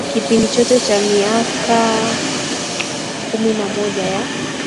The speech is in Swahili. kipindi chote cha maiaka kumi na moja ya